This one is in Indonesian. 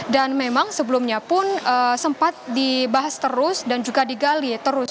dan memang sebelumnya pun sempat dibahas terus dan juga digali terus